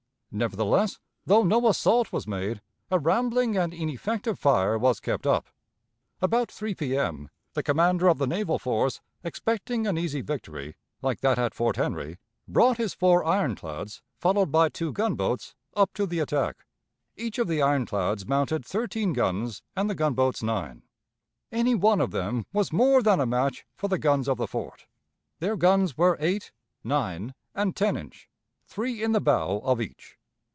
Nevertheless, though no assault was made, a rambling and ineffective fire was kept up. About 3 P.M. the commander of the naval force, expecting an easy victory, like that at Fort Henry, brought his four ironclads, followed by two gunboats, up to the attack. Each of the ironclads mounted thirteen guns and the gunboats nine. Any one of them was more than a match for the guns of the fort. Their guns were eight, nine, and ten inch, three in the bow of each.